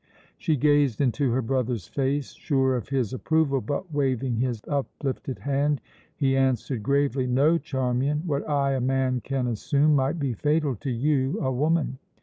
She gazed into her brother's face, sure of his approval but, waving his uplifted hand, he answered gravely: "No, Charmian! What I, a man, can assume, might be fatal to you, a woman.